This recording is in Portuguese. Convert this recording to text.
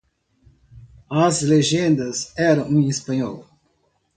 As legendas eram em Espanhol.